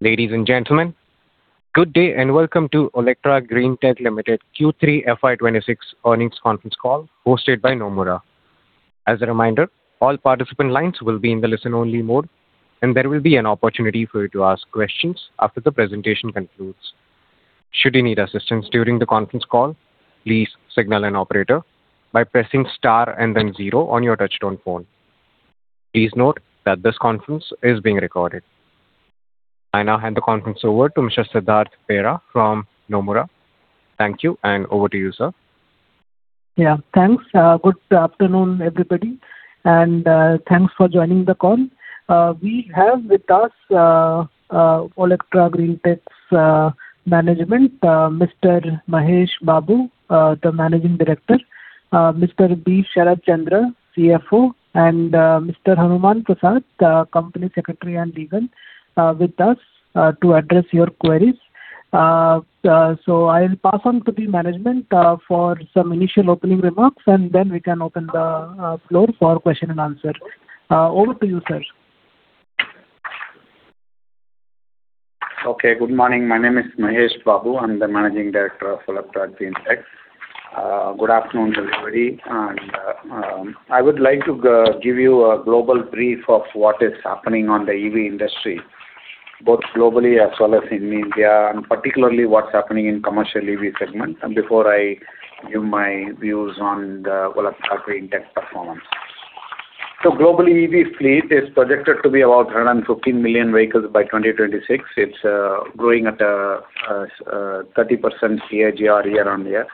Ladies and gentlemen, good day, and welcome to Olectra Greentech Limited Q3 FY 2026 Earnings Conference Call, hosted by Nomura. As a reminder, all participant lines will be in the listen-only mode, and there will be an opportunity for you to ask questions after the presentation concludes. Should you need assistance during the conference call, please signal an operator by pressing star and then zero on your touchtone phone. Please note that this conference is being recorded. I now hand the conference over to Mr. Siddhartha Bera from Nomura. Thank you, and over to you, sir. Yeah. Thanks. Good afternoon, everybody, and thanks for joining the call. We have with us Olectra Greentech's management, Mr. Mahesh Babu, the Managing Director, Mr. B. Sharat Chandra, CFO, and Mr. Hanuman Prasad, the Company Secretary and Legal, with us to address your queries. So I'll pass on to the management for some initial opening remarks, and then we can open the floor for question and answer. Over to you, sir. Okay. Good morning. My name is Mahesh Babu. I'm the Managing Director of Olectra Greentech. Good afternoon to everybody, and I would like to give you a global brief of what is happening on the EV industry, both globally as well as in India, and particularly what's happening in commercial EV segment, and before I give my views on the Olectra Greentech performance. So globally, EV fleet is projected to be about 115 million vehicles by 2026. It's growing at a 30% CAGR year-on-year.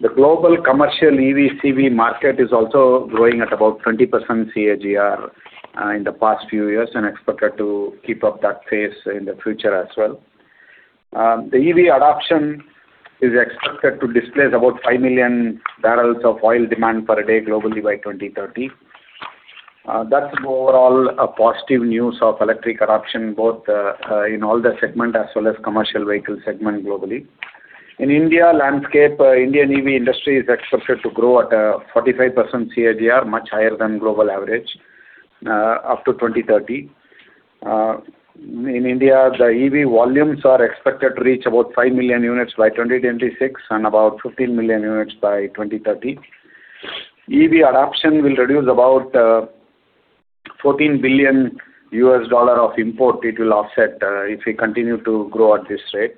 The global commercial EV CV market is also growing at about 20% CAGR in the past few years and expected to keep up that pace in the future as well. The EV adoption is expected to displace about 5 million barrels of oil demand per day globally by 2030. That's overall a positive news of electric adoption, both in all the segment as well as commercial vehicle segment globally. In India landscape, Indian EV industry is expected to grow at a 45% CAGR, much higher than global average, up to 2030. In India, the EV volumes are expected to reach about 5 million units by 2026 and about 15 million units by 2030. EV adoption will reduce about $14 billion of import. It will offset, if we continue to grow at this rate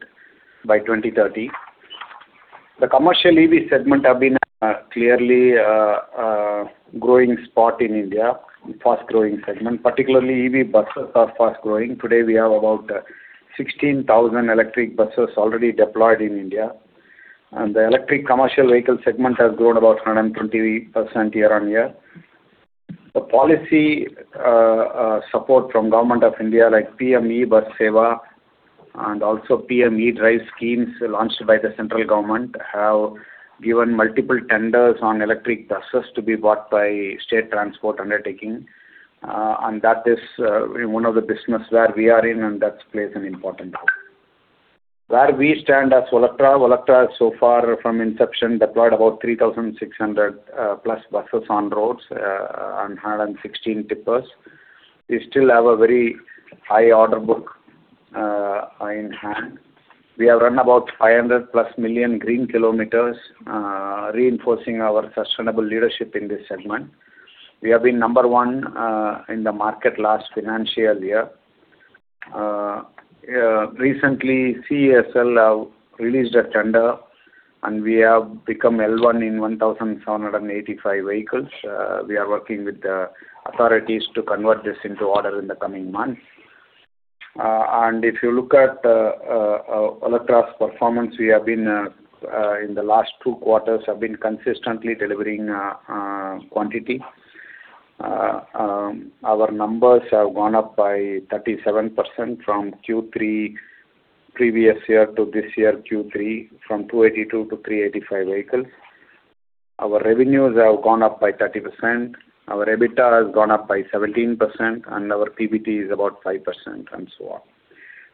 by 2030. The commercial EV segment have been clearly growing spurt in India, fast-growing segment, particularly EV buses are fast growing. Today, we have about 16,000 electric buses already deployed in India, and the electric commercial vehicle segment has grown about 120% year-on-year. The policy support from government of India, like PM-eBus Sewa and also PM E-DRIVE schemes launched by the central government, have given multiple tenders on electric buses to be bought by state transport undertaking. And that is one of the business where we are in, and that plays an important role. Where we stand as Olectra, Olectra so far from inception, deployed about 3,600+ buses on roads, and 116 tippers. We still have a very high order book in hand. We have run about 500 million+ green kilometers, reinforcing our sustainable leadership in this segment. We have been number one in the market last financial year. Recently, CESL have released a tender, and we have become L1 in 1,785 vehicles. We are working with the authorities to convert this into order in the coming months. And if you look at Olectra's performance, we have been in the last two quarters consistently delivering quantity. Our numbers have gone up by 37% from Q3 previous year to this year Q3, from 282 to 385 vehicles. Our revenues have gone up by 30%. Our EBITDA has gone up by 17%, and our PBT is about 5%, and so on.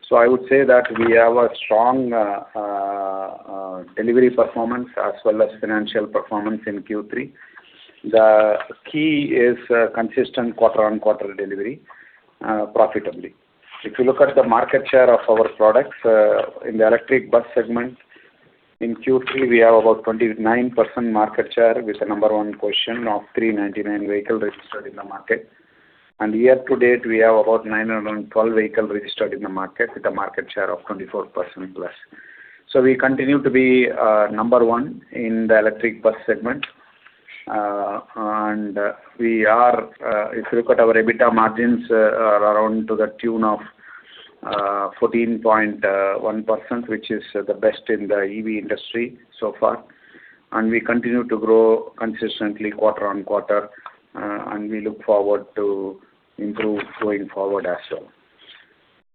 So I would say that we have a strong delivery performance as well as financial performance in Q3. The key is consistent quarter-on-quarter delivery profitably. If you look at the market share of our products, in the electric bus segment, in Q3, we have about 29% market share, with the number one position of 399 vehicle registered in the market. Year to date, we have about 912 vehicle registered in the market, with a market share of +24%. So we continue to be number one in the electric bus segment. And we are, if you look at our EBITDA margins, are around to the tune of 14.1%, which is the best in the EV industry so far. And we continue to grow consistently quarter-over-quarter, and we look forward to improve going forward as well.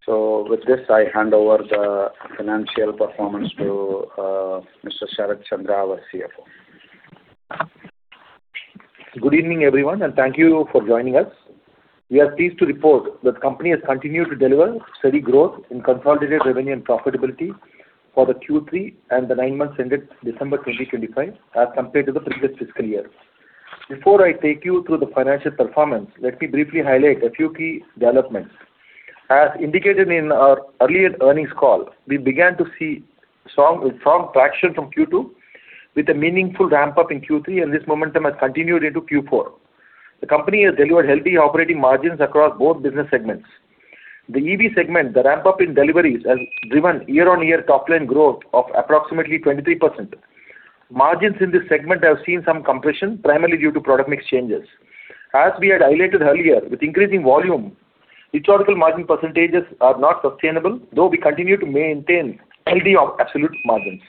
So with this, I hand over the financial performance to Mr. Sharat Chandra, our CFO. Good evening, everyone, and thank you for joining us. We are pleased to report that the company has continued to deliver steady growth in consolidated revenue and profitability for the Q3 and the nine months ended December 2025, as compared to the previous fiscal year. Before I take you through the financial performance, let me briefly highlight a few key developments. As indicated in our earlier earnings call, we began to see strong, strong traction from Q2, with a meaningful ramp-up in Q3, and this momentum has continued into Q4. The company has delivered healthy operating margins across both business segments. The EV segment, the ramp-up in deliveries has driven year-on-year top line growth of approximately 23%. Margins in this segment have seen some compression, primarily due to product mix changes. As we had highlighted earlier, with increasing volume, historical margin percentages are not sustainable, though we continue to maintain healthy absolute margins.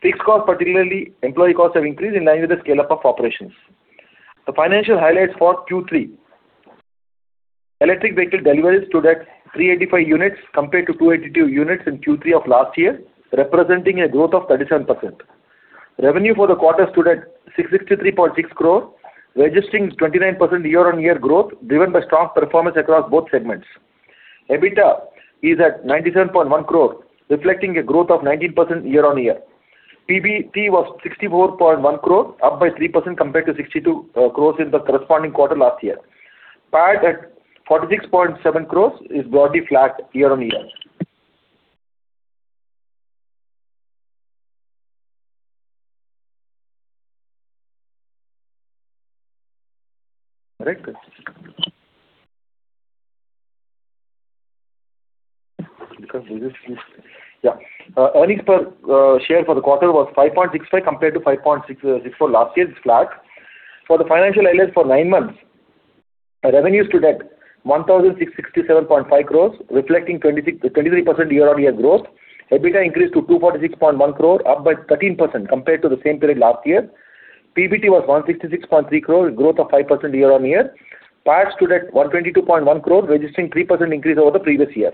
Fixed costs, particularly employee costs, have increased in line with the scale-up of operations. The financial highlights for Q3: electric vehicle deliveries stood at 385 units, compared to 282 units in Q3 of last year, representing a growth of 37%. Revenue for the quarter stood at 663.6 crore, registering 29% year-on-year growth, driven by strong performance across both segments. EBITDA is at 97.1 crore, reflecting a growth of 19% year on year. PBT was 64.1 crore, up by 3% compared to 62 crore in the corresponding quarter last year. PAT, at 46.7 crore, is broadly flat year on year. Earnings per share for the quarter was 5.65, compared to 5.64 last year's Q3. For the financial highlights for nine months, our revenues stood at 1,667.5 crore, reflecting 23% year-over-year growth. EBITDA increased to 246.1 crore, up by 13% compared to the same period last year. PBT was 166.3 crore, a growth of 5% year-over-year. PAT stood at 122.1 crore, registering 3% increase over the previous year.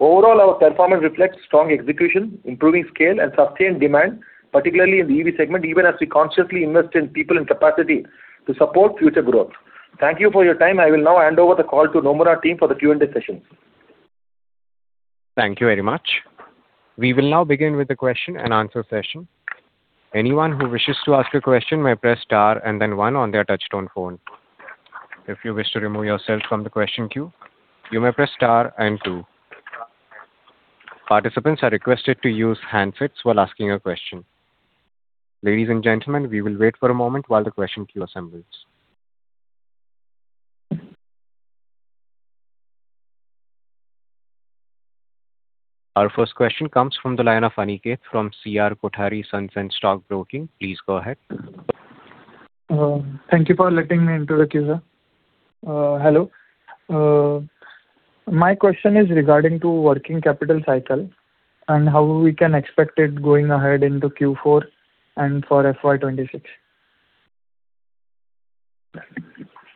Overall, our performance reflects strong execution, improving scale and sustained demand, particularly in the EV segment, even as we consciously invest in people and capacity to support future growth. Thank you for your time. I will now hand over the call to Nomura team for the Q&A session. Thank you very much. We will now begin with the question and answer session. Anyone who wishes to ask a question may press star and then one on their touchtone phone. If you wish to remove yourself from the question queue, you may press star and two. Participants are requested to use handsets while asking a question. Ladies and gentlemen, we will wait for a moment while the question queue assembles. Our first question comes from the line of Aniket from C.R.Kothari & Sons Stock Broking. Please go ahead. Thank you for letting me into the queue, sir. Hello. My question is regarding to working capital cycle and how we can expect it going ahead into Q4 and for FY 2026.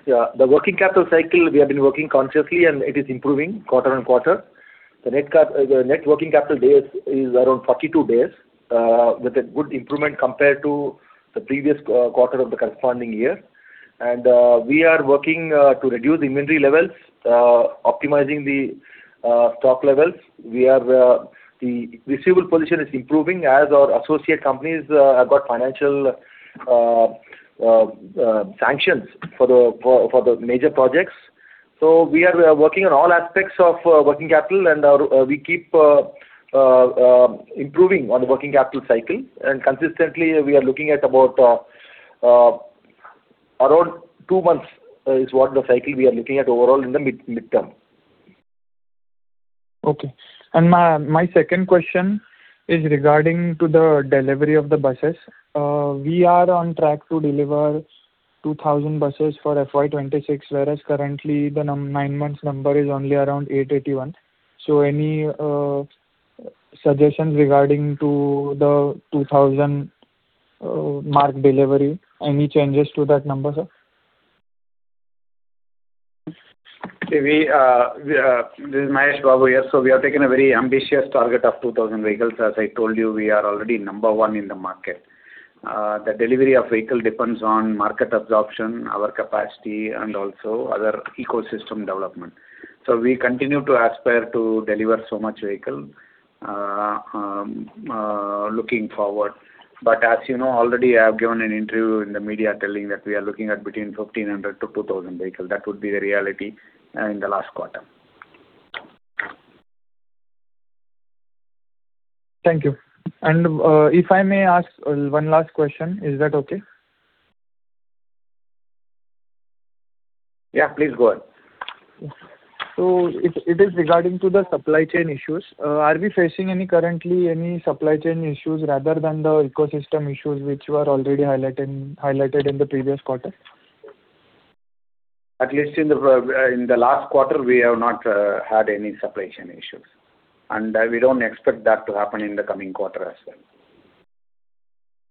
Yeah, the working capital cycle, we have been working consciously and it is improving quarter-on-quarter. The net cap, the net working capital days is around 42 days, with a good improvement compared to the previous quarter of the corresponding year. We are working to reduce inventory levels, optimizing the stock levels. We are--The receivable position is improving as our associate companies have got financial sanctions for the major projects. So we are working on all aspects of working capital, and we keep improving on the working capital cycle, and consistently we are looking at about around two months is what the cycle we are looking at overall in the mid-term. Okay. And my, my second question is regarding to the delivery of the buses. We are on track to deliver 2000 buses for FY 2026, whereas currently the nine months number is only around 881. So any suggestions regarding to the 2000 mark delivery? Any changes to that number, sir? Okay, we--this is Mahesh Babu here. So we have taken a very ambitious target of 2,000 vehicles. As I told you, we are already number one in the market. The delivery of vehicle depends on market absorption, our capacity, and also other ecosystem development. So we continue to aspire to deliver so much vehicle, looking forward. But as you know already, I have given an interview in the media telling that we are looking at between 1,500-2,000 vehicles. That would be the reality, in the last quarter. Thank you. And, if I may ask, one last question, is that okay? Yeah, please go ahead. So it is regarding to the supply chain issues. Are we facing currently any supply chain issues rather than the ecosystem issues which you are already highlighted in the previous quarter? At least in the last quarter, we have not had any supply chain issues, and we don't expect that to happen in the coming quarter as well.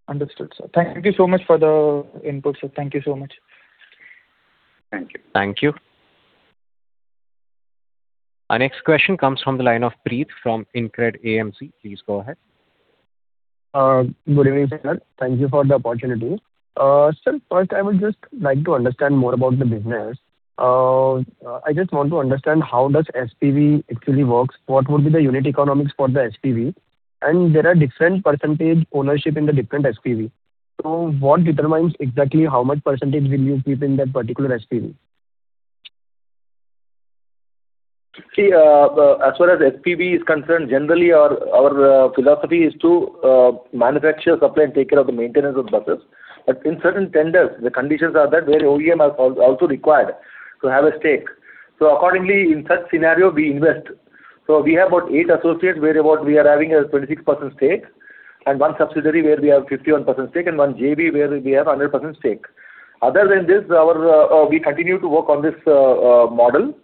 Understood, sir. Thank you so much for the input, sir. Thank you so much. Thank you. Thank you. Our next question comes from the line of Preet from InCred AMC. Please go ahead. Good evening, sir. Thank you for the opportunity. Sir, first, I would just like to understand more about the business. I just want to understand how does SPV actually works? What would be the unit economics for the SPV? And there are different percentage ownership in the different SPV. So what determines exactly how much percentage will you keep in that particular SPV? See, as far as SPV is concerned, generally, our philosophy is to manufacture, supply, and take care of the maintenance of buses. But in certain tenders, the conditions are that where OEM are also required to have a stake. So accordingly, in such scenario, we invest. So we have about eight associates, where about we are having a 26% stake, and one subsidiary where we have 51% stake, and one JV where we have 100% stake. Other than this, we continue to work on this model,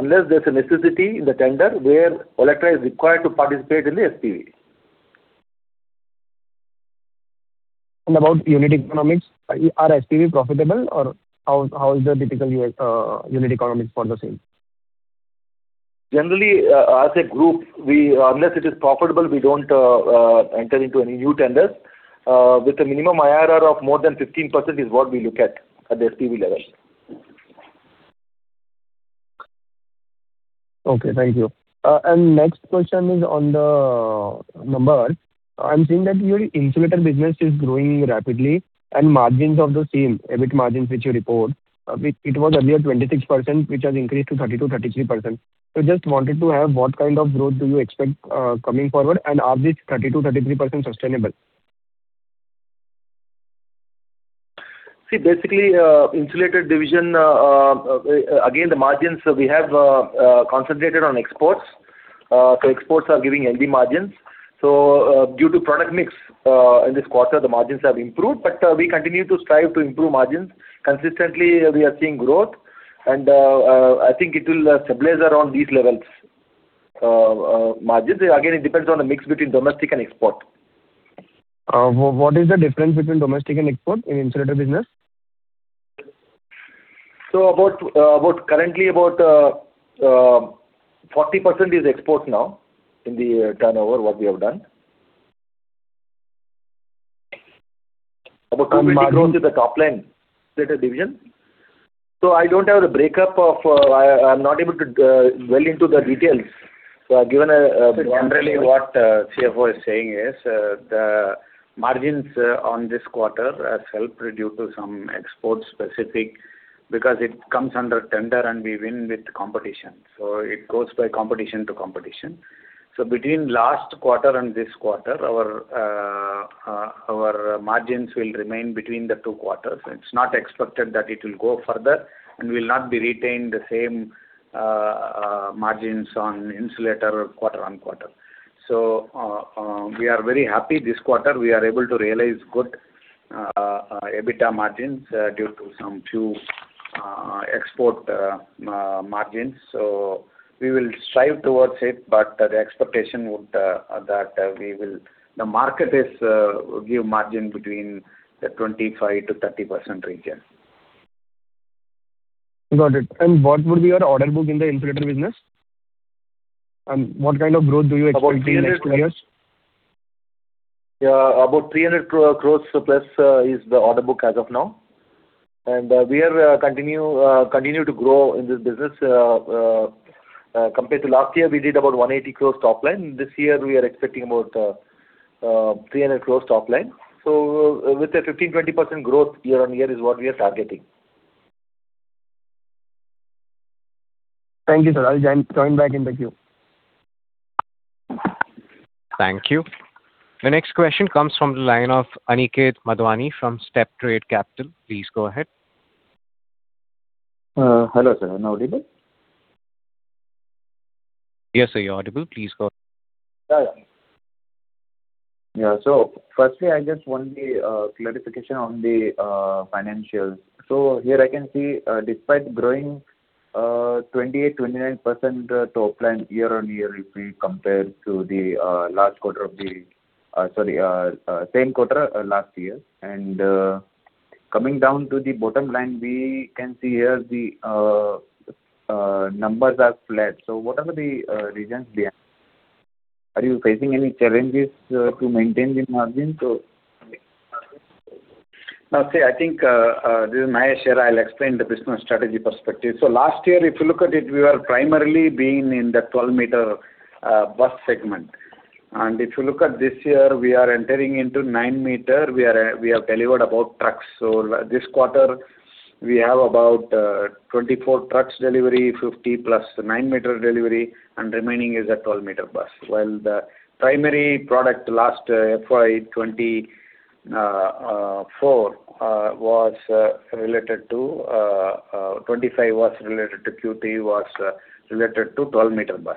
unless there's a necessity in the tender where Olectra is required to participate in the SPV. About unit economics, are SPV profitable, or how is the typical U.S. unit economics for the same? Generally, as a group, we, unless it is profitable, we don't enter into any new tenders. With a minimum IRR of more than 15% is what we look at, at the SPV level. Okay, thank you. And next question is on the numbers. I'm seeing that your insulator business is growing rapidly, and margins of the same, EBIT margins which you report, it was earlier 26%, which has increased to 32%-33%. So just wanted to have what kind of growth do you expect, coming forward, and are this 30%-33% sustainable? See, basically, insulator division, again, the margins, we have concentrated on exports. So, exports are giving healthy margins. So, due to product mix, in this quarter, the margins have improved, but, we continue to strive to improve margins. Consistently, we are seeing growth, and, I think it will stabilize around these levels. Margins, again, it depends on the mix between domestic and export. What is the difference between domestic and export in insulator business? So, about currently about 40% is export now in the turnover, what we have done. About margin-- To the top line. Insulator division. So I don't have the breakup of. I'm not able to well into the details. So I've given a. Generally, what the CFO is saying is, the margins on this quarter are helped due to some export specific, because it comes under tender and we win with competition. So it goes by competition to competition. So between last quarter and this quarter, our, our margins will remain between the two quarters. It's not expected that it will go further, and will not be retained the same, margins on insulator quarter on quarter. So, we are very happy this quarter. We are able to realize good, EBITDA margins, due to some few, export, margins. So we will strive towards it, but the expectation would, that, we will--the market is, give margin between the 25%-30% region. Got it. And what would be your order book in the insulator business? And what kind of growth do you expect in the next two years? Yeah, about 300 crores plus is the order book as of now. We are continuing to grow in this business. Compared to last year, we did about 180 crores top line. This year, we are expecting about 300 crores top line. With a 15%-20% growth year-on-year is what we are targeting. Thank you, sir. I'll join back in the queue. Thank you. The next question comes from the line of Aniket Madhwani from Steptrade Capital. Please go ahead. Hello, sir. I'm audible? Yes, sir, you're audible. Please go. Yeah, so firstly, I just want the clarification on the financials. So here I can see, despite growing 28%-29% top line year-on-year, if we compare to the last quarter of the sorry, same quarter last year. And coming down to the bottom line, we can see here the numbers are flat. So what are the reasons behind? Are you facing any challenges to maintain the margin, so? Now, see, I think, this is Mahesh here. I'll explain the business strategy perspective. So last year, if you look at it, we were primarily being in the 12-meter bus segment. And if you look at this year, we are entering into 9-meter. We are, we have delivered about trucks. So this quarter, we have about 24 trucks delivery, 50+ 9-meter delivery, and remaining is a 12-meter bus. While the primary product last FY 2024 was related to 2025 was related to QT, was related to 12-meter bus.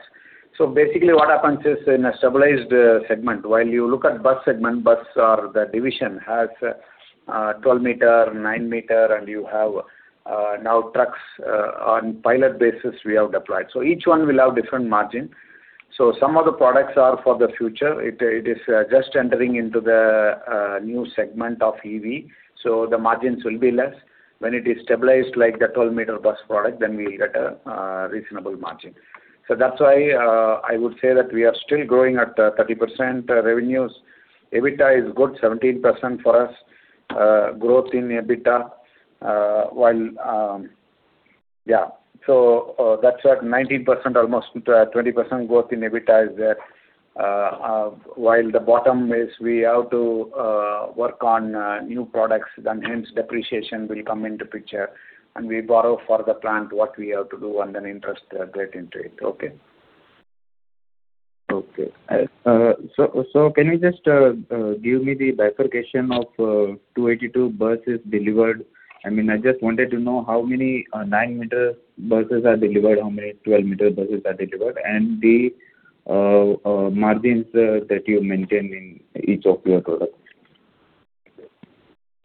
So basically, what happens is, in a stabilized segment, while you look at bus segment, bus or the division has 12-meter, 9-meter, and you have now trucks on pilot basis, we have deployed. So each one will have different margin. So some of the products are for the future. It is just entering into the new segment of EV, so the margins will be less. When it is stabilized like the 12-meter bus product, then we will get a reasonable margin. So that's why I would say that we are still growing at 30% revenues. EBITDA is good, 17% for us, growth in EBITDA, while--yeah. So that's what 19%, almost 20% growth in EBITDA is there. While the bottom is we have to work on new products, then hence depreciation will come into picture, and we borrow for the plant, what we have to do, and then interest get into it. Okay. Okay. So, can you just give me the bifurcation of 282 buses delivered? I mean, I just wanted to know how many 9-meter buses are delivered, how many 12-meter buses are delivered, and the margins that you maintain in each of your products.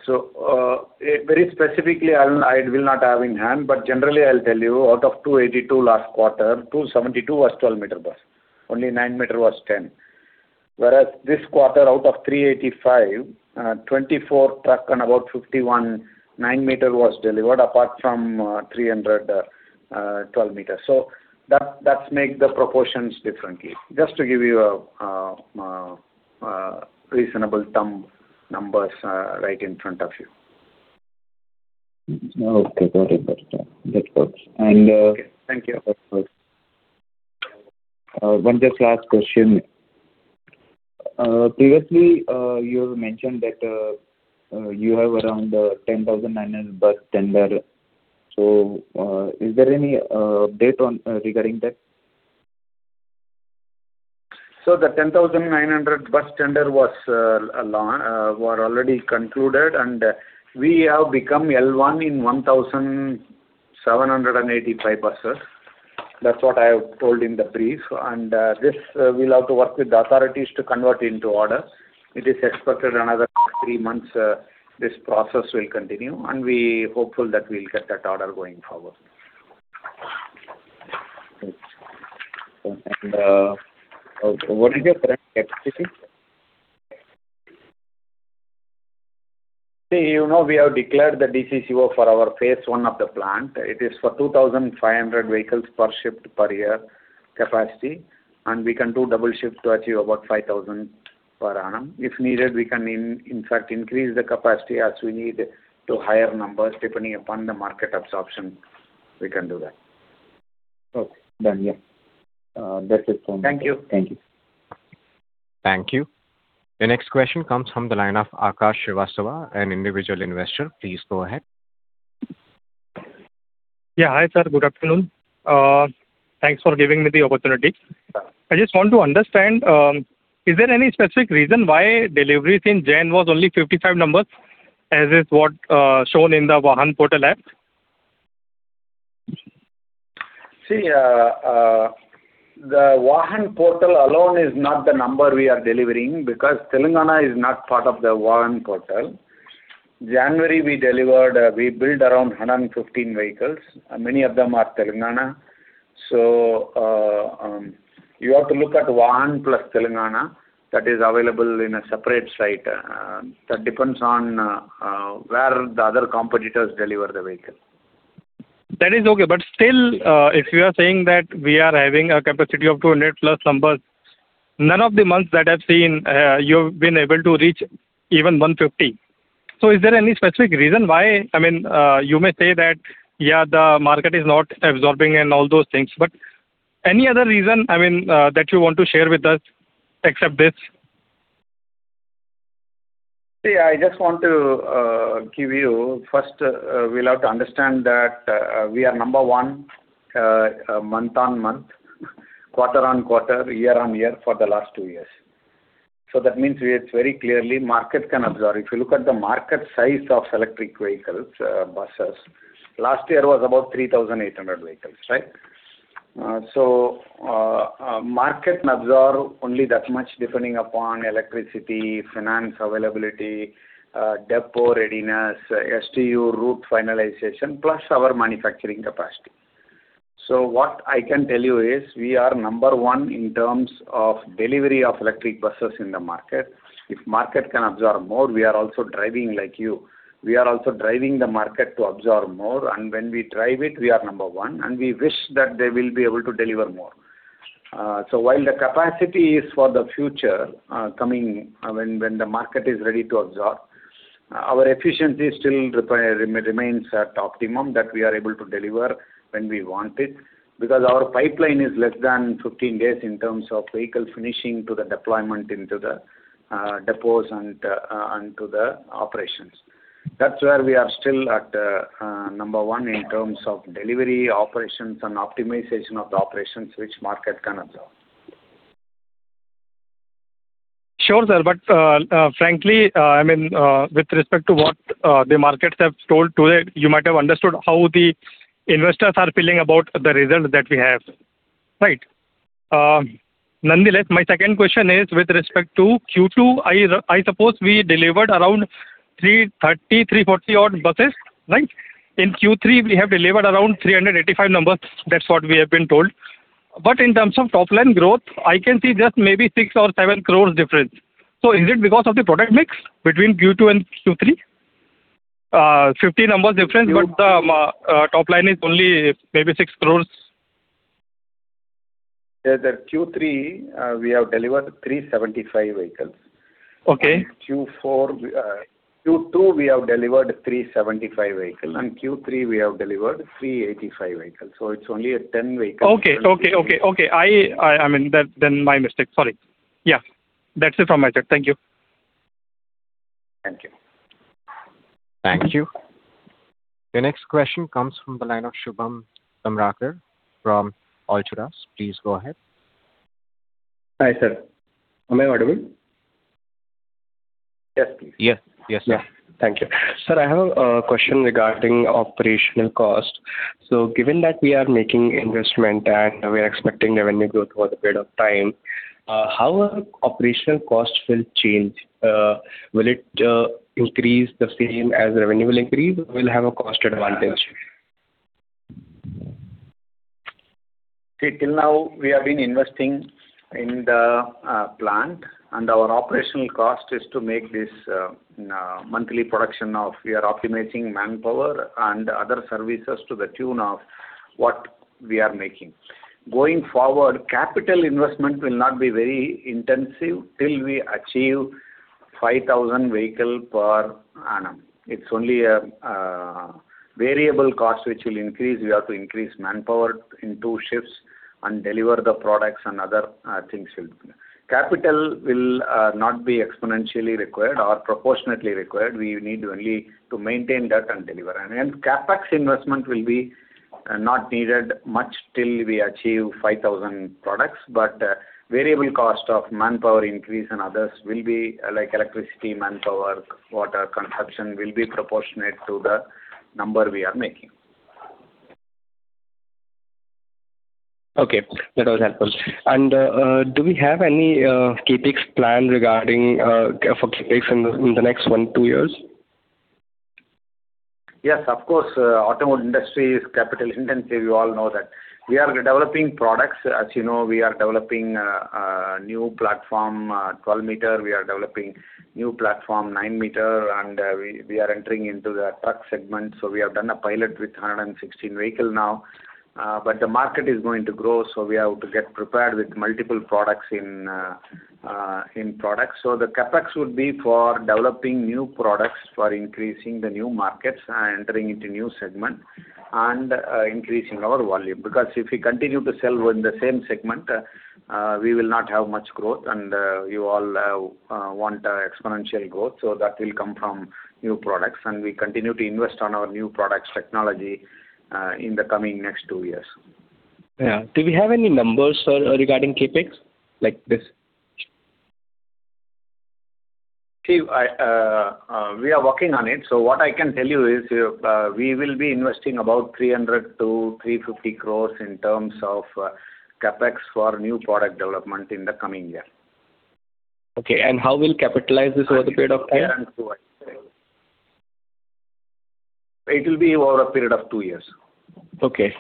So, very specifically, I don't—I will not have in hand, but generally I'll tell you, out of 282 last quarter, 272 was 12-meter bus. Only 9-meter was 10. Whereas this quarter, out of 385, 24 truck and about 51 9-meter was delivered, apart from 300 12-meter. So that, that make the proportions differently. Just to give you reasonable thumb numbers right in front of you. Okay, got it. Got it. That works. And, Thank you. One just last question. Previously, you mentioned that you have around 10,900 bus tender. So, is there any date on regarding that? So the 10,900 bus tender was were already concluded, and we have become L1 in 1,785 buses. That's what I have told in the brief. And this we'll have to work with the authorities to convert into orders. It is expected another three months this process will continue, and we hopeful that we'll get that order going forward. What is your current capacity? See, you know, we have declared the DCCO for our phase I of the plant. It is for 2,500 vehicles per shift, per year capacity, and we can do double shift to achieve about 5,000 per annum. If needed, we can, in fact, increase the capacity as we need to higher numbers, depending upon the market absorption, we can do that. Okay. Done, yeah. That's it for me. Thank you. Thank you. Thank you. The next question comes from the line of Akash Srivastava, an individual investor. Please go ahead. Yeah, hi, sir. Good afternoon. Thanks for giving me the opportunity. I just want to understand, is there any specific reason why deliveries in Jan was only 55 numbers, as is what, shown in the Vahan portal app? See, the Vahan portal alone is not the number we are delivering, because Telangana is not part of the Vahan portal. January, we delivered, we built around 115 vehicles, and many of them are Telangana. So, you have to look at Vahan plus Telangana, that is available in a separate site. That depends on, where the other competitors deliver the vehicle. That is okay. But still, if you are saying that we are having a capacity of 200+ numbers, none of the months that I've seen, you've been able to reach even 150. So is there any specific reason why? I mean, you may say that, yeah, the market is not absorbing and all those things, but any other reason, I mean, that you want to share with us, except this? See, I just want to give you, first, we'll have to understand that we are number one month-over-month, quarter-over-quarter, year-over-year for the last two years. So that means we are very clearly, market can absorb. If you look at the market size of electric vehicles, buses, last year was about 3,800 vehicles, right? So, market can absorb only that much, depending upon electricity, finance availability, depot readiness, STU route finalization, plus our manufacturing capacity. So what I can tell you is, we are number one in terms of delivery of electric buses in the market. If market can absorb more, we are also driving like you. We are also driving the market to absorb more, and when we drive it, we are number one, and we wish that they will be able to deliver more. So while the capacity is for the future, coming when the market is ready to absorb, our efficiency still remains at optimum, that we are able to deliver when we want it, because our pipeline is less than 15 days in terms of vehicle finishing to the deployment into the depots and to the operations. That's where we are still at, number one in terms of delivery, operations, and optimization of the operations, which market can absorb. Sure, sir, but, frankly, I mean, with respect to what, the markets have told today, you might have understood how the investors are feeling about the results that we have. Right? Nonetheless, my second question is with respect to Q2. I, I suppose we delivered around 330, 340 odd buses, right? In Q3, we have delivered around 385 numbers. That's what we have been told. But in terms of top line growth, I can see just maybe 6 crore-7 crore difference. So is it because of the product mix between Q2 and Q3? 50 numbers difference, but the, top line is only maybe 6 crore. The other Q3, we have delivered 375 vehicles. Okay. Q4--we, Q2, we have delivered 375 vehicles, and Q3, we have delivered 385 vehicles, so it's only a 10 vehicle. Okay. I mean, then my mistake. Sorry. Yeah, that's it from my side. Thank you. Thank you. Thank you. The next question comes from the line of Shubham Tamrakar from Alturas. Please go ahead. Hi, sir. Am I audible? Yes, please. Yes, sir. Yeah. Thank you. Sir, I have a question regarding operational cost. So given that we are making investment and we are expecting revenue growth over the period of time, how are operational costs will change? Will it increase the same as revenue will increase, or will have a cost advantage? See, till now, we have been investing in the plant, and our operational cost is to make this monthly production. We are optimizing manpower and other services to the tune of what we are making. Going forward, capital investment will not be very intensive till we achieve 5,000 vehicle per annum. It's only a variable cost which will increase. We have to increase manpower into shifts and deliver the products and other things. Capital will not be exponentially required or proportionately required. We need only to maintain that and deliver. And CapEx investment will be not needed much till we achieve 5,000 products, but variable cost of manpower increase and others will be, like, electricity, manpower, water consumption, will be proportionate to the number we are making. Okay, that was helpful. Do we have any CapEx plan regarding for CapEx in the next one, two years? Yes, of course. Automotive industry is capital intensive, you all know that. We are developing products. As you know, we are developing new platform, 12-meter. We are developing new platform, 9-meter, and we are entering into the truck segment, so we have done a pilot with 116 vehicles now. But the market is going to grow, so we have to get prepared with multiple products in products. So the CapEx would be for developing new products, for increasing the new markets and entering into new segment and increasing our volume. Because if we continue to sell in the same segment, we will not have much growth, and you all want exponential growth, so that will come from new products, and we continue to invest on our new products technology in the coming next two years. Yeah. Do we have any numbers, sir, regarding CapEx like this? See, I, we are working on it, so what I can tell you is, we will be investing about 300 crore-350 crore in terms of CapEx for new product development in the coming year. Okay. How we'll capitalize this over the period of time? It will be over a period of two years. Okay.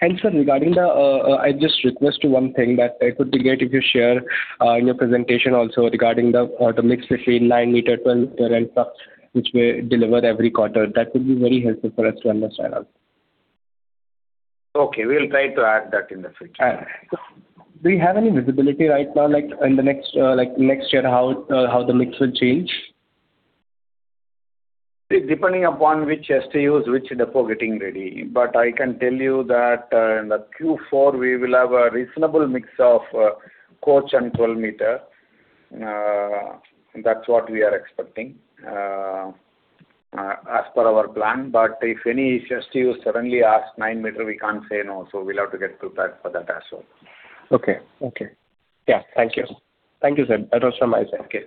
And, sir, regarding the I just request one thing that it would be great if you share in your presentation also regarding the auto mix between 9-meter, 12-meter, and truck, which we deliver every quarter. That would be very helpful for us to understand also. Okay, we will try to add that in the future. Do you have any visibility right now, like, in the next, like, next year, how the mix will change? Depending upon which STUs, which depot getting ready. But I can tell you that, in the Q4, we will have a reasonable mix of, coach and 12-meter. That's what we are expecting, as per our plan, but if any STU suddenly asks 9-meter, we can't say no, so we'll have to get prepared for that as well. Okay. Yeah, thank you. Thank you, sir. That was from my side. Okay.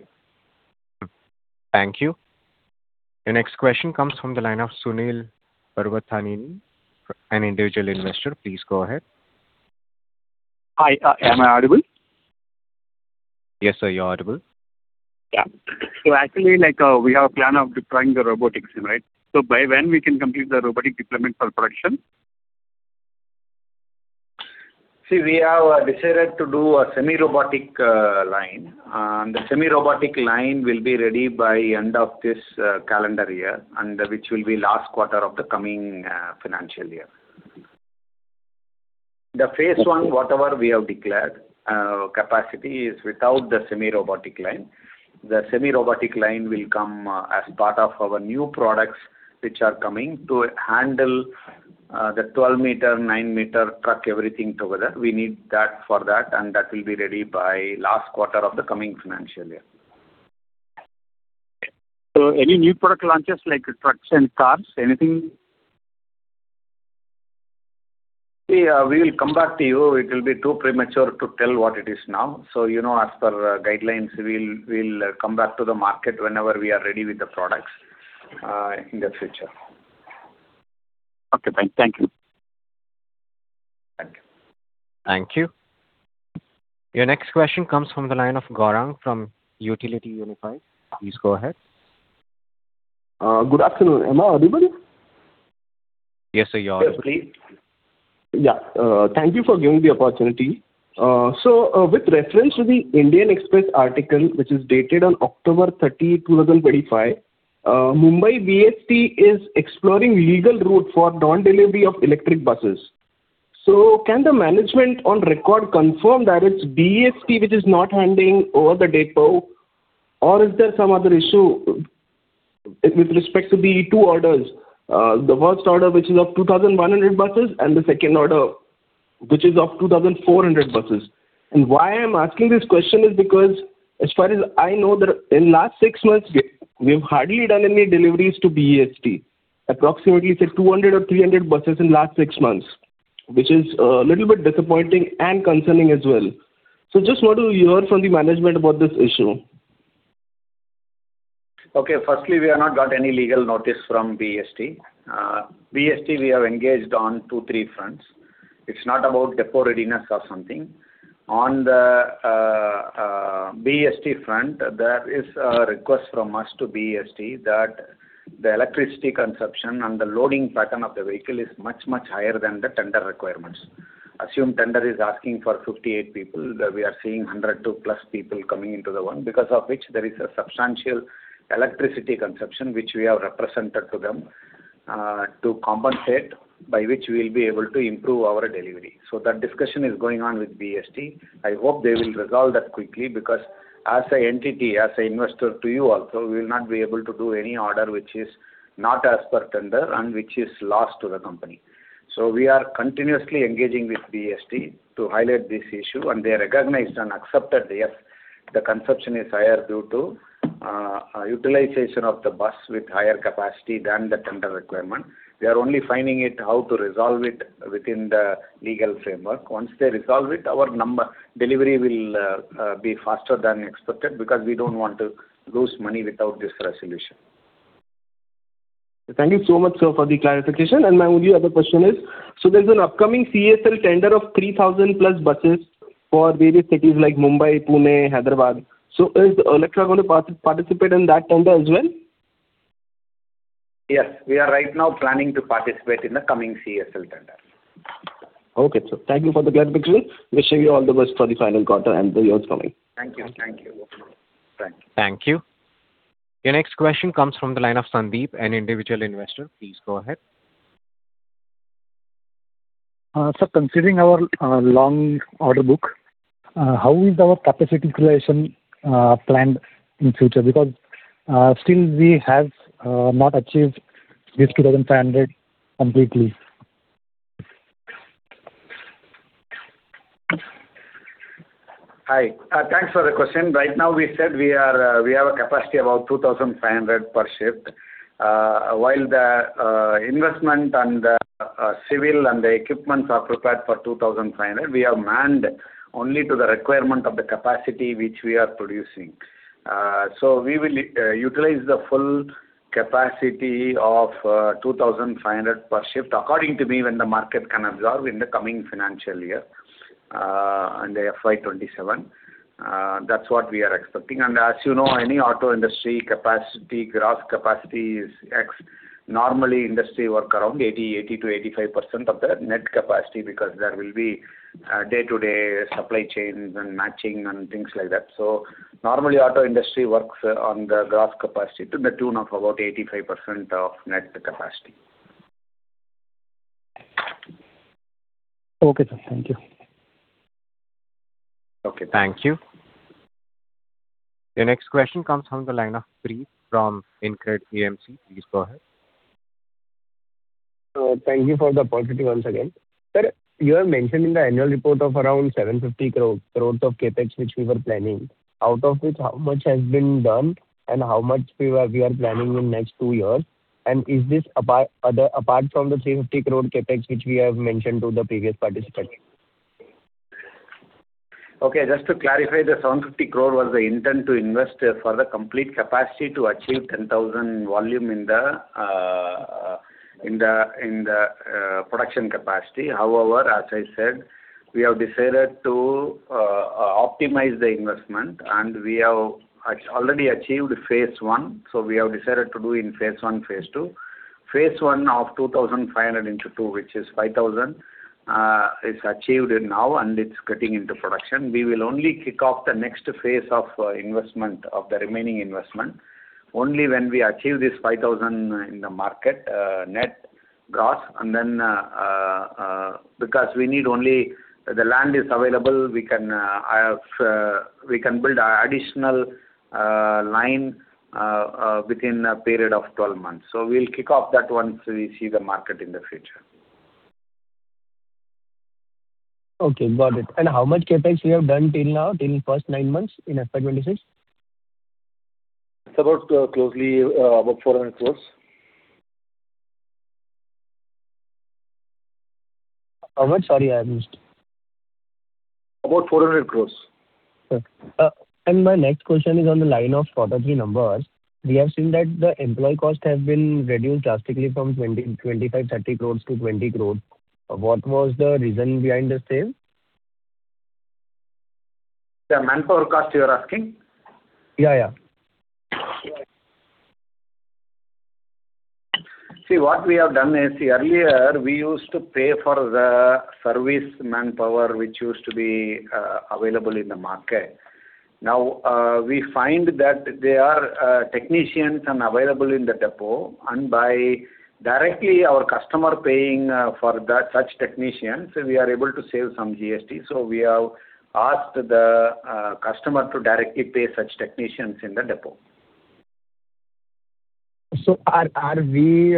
Thank you. The next question comes from the line of Sunil Parvathaneni, an individual investor. Please go ahead. Hi. Am I audible? Yes, sir, you're audible. Yeah. So actually, like, we have a plan of deploying the robotics, right? So by when we can complete the robotic deployment for production? See, we have decided to do a semi-robotic line. The semi-robotic line will be ready by end of this calendar year, and which will be last quarter of the coming financial year. The phase one, whatever we have declared capacity, is without the semi-robotic line. The semi-robotic line will come as part of our new products, which are coming to handle the 12-meter, 9-meter, truck, everything together. We need that for that, and that will be ready by last quarter of the coming financial year. Any new product launches like trucks and cars, anything? See, we will come back to you. It will be too premature to tell what it is now. So, you know, as per guidelines, we'll come back to the market whenever we are ready with the products, in the future. Okay, thank you. Thank you. Thank you. Your next question comes from the line of Gaurang from Utility Unified. Please go ahead. Good afternoon. Am I audible? Yes, sir, you are. Yeah. Thank you for giving the opportunity. So, with reference to the Indian Express article, which is dated October 30, 2025. Mumbai BEST is exploring legal route for non-delivery of electric buses. So can the management on record confirm that it's BEST which is not handing over the depot, or is there some other issue with respect to the two orders? The first order, which is of 2,100 buses, and the second order, which is of 2,400 buses. And why I'm asking this question is because, as far as I know, there in the last six months, we have hardly done any deliveries to BEST. Approximately, say, 200 or 300 buses in the last six months, which is a little bit disappointing and concerning as well. Just want to hear from the management about this issue. Okay. Firstly, we have not got any legal notice from BEST. BEST, we have engaged on two, three fronts. It's not about depot readiness or something. On the BEST front, there is a request from us to BEST that the electricity consumption and the loading pattern of the vehicle is much, much higher than the tender requirements. Assume tender is asking for 58 people, that we are seeing 100+ people coming into the one, because of which there is a substantial electricity consumption, which we have represented to them to compensate, by which we will be able to improve our delivery. So that discussion is going on with BEST. I hope they will resolve that quickly, because as an entity, as an investor to you also, we will not be able to do any order which is not as per tender and which is loss to the company. So we are continuously engaging with BEST to highlight this issue, and they recognized and accepted, yes, the consumption is higher due to utilization of the bus with higher capacity than the tender requirement. We are only finding it how to resolve it within the legal framework. Once they resolve it, our number, delivery will be faster than expected, because we don't want to lose money without this resolution. Thank you so much, sir, for the clarification. My only other question is: so there's an upcoming CESL tender of 3,000+ buses for various cities like Mumbai, Pune, Hyderabad. So is Olectra going to participate in that tender as well? Yes, we are right now planning to participate in the coming CESL tender. Okay, sir. Thank you for the clarification. Wishing you all the best for the final quarter and the years coming. Thank you. Thank you. Thank you. Your next question comes from the line of Sandeep, an individual investor. Please go ahead. Sir, considering our long order book, how is our capacity creation planned in future? Because still we have not achieved this 2,500 completely. Hi, thanks for the question. Right now, we said we are, we have a capacity about 2,500 per shift. While the investment and the civil and the equipment are prepared for 2,500, we have manned only to the requirement of the capacity which we are producing. So we will utilize the full capacity of 2,500 per shift, according to me, when the market can absorb in the coming financial year, and the FY 2027. That's what we are expecting. And as you know, any auto industry capacity, gross capacity is ex. Normally, industry works around 80%-85% of the net capacity, because there will be day-to-day supply chains and matching and things like that. Normally, auto industry works on the gross capacity to the tune of about 85% of net capacity. Okay, sir. Thank you. Okay, thank you. The next question comes from the line of Preet from InCred AMC. Please go ahead. Thank you for the opportunity once again. Sir, you have mentioned in the annual report of around 750 crores of CapEx, which we were planning. Out of which, how much has been done, and how much we are, we are planning in next two years? And is this apart, other, apart from the 350 crore CapEx, which we have mentioned to the previous participant? Okay, just to clarify, the 750 crore was the intent to invest for the complete capacity to achieve 10,000 volume in the production capacity. However, as I said, we have decided to optimize the investment, and we have already achieved phase I, so we have decided to do in phase I, phase II. Phase I of 2,500 into II, which is 5,000, is achieved now and it's getting into production. We will only kick off the next phase of investment, of the remaining investment, only when we achieve this 5,000 in the market, net, gross, and then, because we need only... The land is available, we can have, we can build additional line within a period of 12 months. We'll kick off that once we see the market in the future. Okay, got it. How much CapEx you have done till now, till first nine months in FY 2026? It's about close to about INR 400 crore. How much? Sorry, I missed. About 400 crore. Okay. My next question is on the line of quarter three numbers. We have seen that the employee cost has been reduced drastically from 25 crore-30 crore to 20 crore. What was the reason behind the same? The manpower cost, you are asking? Yeah, yeah. See, what we have done is, see, earlier, we used to pay for the service manpower, which used to be available in the market. Now, we find that there are technicians available in the depot, and by our customer directly paying for such technicians, we are able to save some GST. So we have asked the customer to directly pay such technicians in the depot. So are we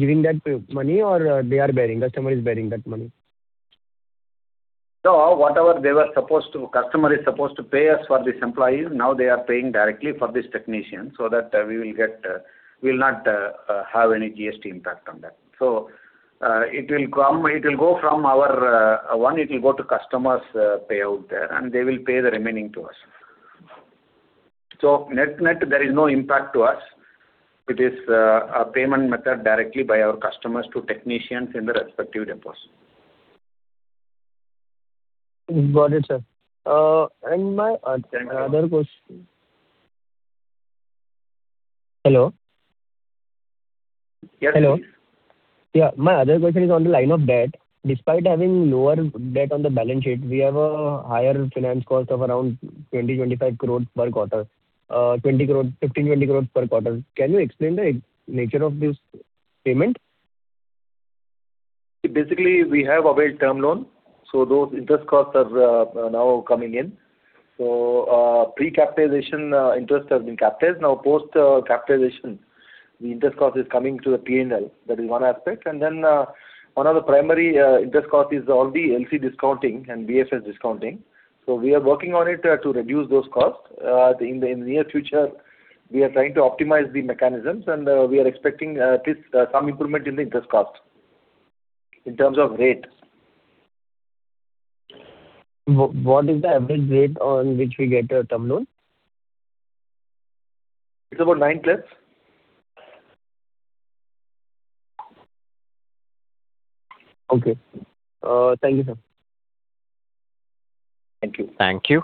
giving that money or they are bearing, the customer is bearing that money? No, whatever they were supposed to, customer is supposed to pay us for this employee. Now they are paying directly for this technician, so that we will get, we'll not have any GST impact on that. So, it will come, it will go from our one, it will go to customers, pay out there, and they will pay the remaining to us. So net-net, there is no impact to us. It is a payment method directly by our customers to technicians in the respective depots. Got it, sir. And my another question--Hello? Yes. Hello. Yeah, my other question is on the line of debt. Despite having lower debt on the balance sheet, we have a higher finance cost of around 20 crore-25 crore per quarter, 20 crore, 15 crore, 20 crores per quarter. Can you explain the nature of this payment? Basically, we have availed term loan, so those interest costs are now coming in. So, pre-capitalization, interest has been capitalized. Now, post-capitalization, the interest cost is coming to the P&L. That is one aspect. And then, one of the primary interest cost is all the LC discounting and BSS discounting. So we are working on it to reduce those costs. In the near future, we are trying to optimize the mechanisms, and we are expecting at least some improvement in the interest cost in terms of rate. What is the average rate on which we get a term loan? It's about 9+. Okay. Thank you, sir. Thank you. Thank you.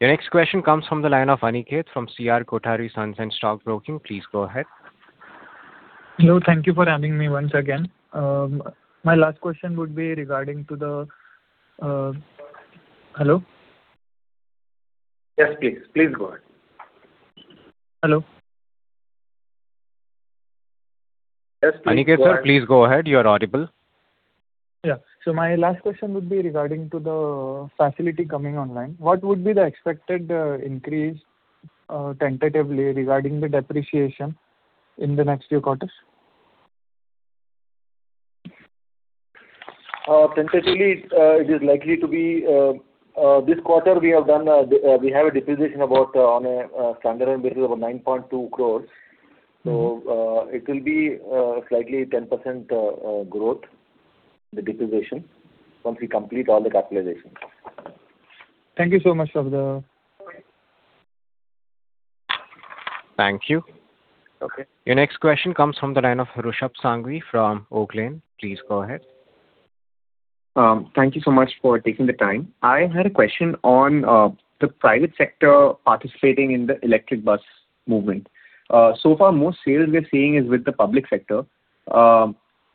Your next question comes from the line of Aniket from C.R.Kothari & Sons Stock Broking. Please go ahead. Hello, thank you for having me once again. My last question would be regarding to the, Hello? Yes, please. Please, go ahead. Hello? Yes, please, go ahead. Aniket, sir, please go ahead. You are audible. Yeah. So my last question would be regarding to the facility coming online. What would be the expected increase, tentatively regarding the depreciation in the next few quarters? Tentatively, it is likely to be this quarter. We have a depreciation about, on a standard basis, about 9.2 crore. So, it will be slightly 10% growth, the depreciation, once we complete all the capitalizations. Thank you so much, sir, for the-- Thank you. Your next question comes from the line of Rishabh Sanghvi from Oaklane. Please go ahead. Thank you so much for taking the time. I had a question on the private sector participating in the electric bus movement. So far, most sales we are seeing is with the public sector.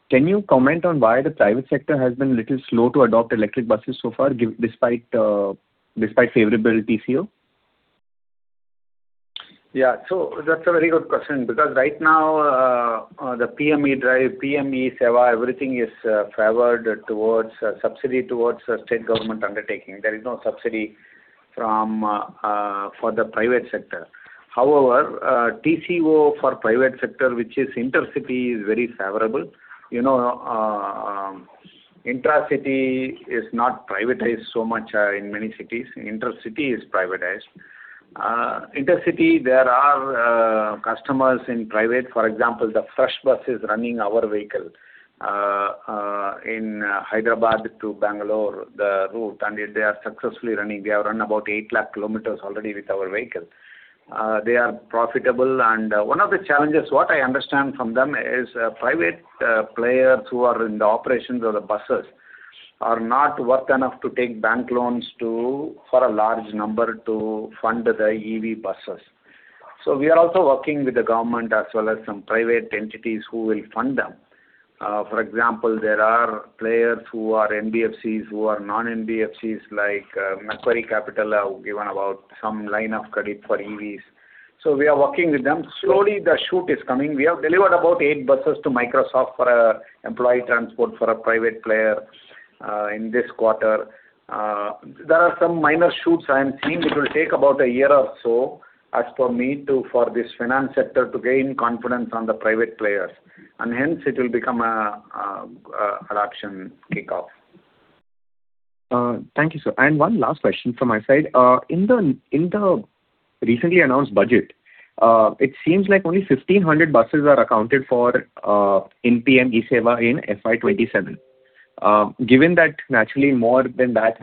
Can you comment on why the private sector has been a little slow to adopt electric buses so far, despite favorable TCO? Yeah. So that's a very good question, because right now, the PM E-Drive, PM-eBus Sewa, everything is favored towards subsidy towards state government undertaking. There is no subsidy from for the private sector. However, TCO for private sector, which is intercity, is very favorable. You know, intracity is not privatized so much in many cities. Intercity is privatized. Intercity, there are customers in private. For example, the Fresh Bus is running our vehicle in Hyderabad to Bangalore, the route, and they are successfully running. They have run about 800,000 kilometers already with our vehicle. They are profitable. And, one of the challenges, what I understand from them, is private players who are in the operations of the buses are not worth enough to take bank loans to--for a large number to fund the EV buses. So we are also working with the government as well as some private entities who will fund them. For example, there are players who are NBFCs, who are non-NBFCs, like, Macquarie Capital, have given about some line of credit for EVs. So we are working with them. Slowly, the shoot is coming. We have delivered about eight buses to Microsoft for employee transport for a private player in this quarter. There are some minor shoots. I am seeing it will take about a year or so, as per me, to, for this finance sector to gain confidence on the private players, and hence it will become a adoption kickoff. Thank you, sir. And one last question from my side. In the recently announced budget, it seems like only 1,500 buses are accounted for in PM-eBus Sewa in FY 2027. Given that naturally more than that